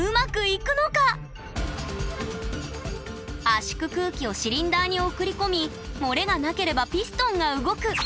圧縮空気をシリンダーに送り込み漏れがなければピストンが動く。